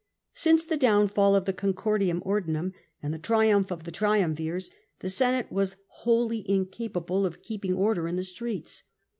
Since the downfall of the Ooiicordia Onlinunh and the triumph of the triiimvirs, the Senate was wholly incapable of keeping order in the streets.